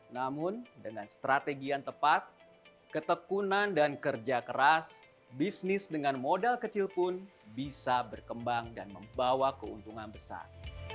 namun dengan strategi yang tepat ketekunan dan kerja keras bisnis dengan modal kecil pun bisa berkembang dan membawa keuntungan besar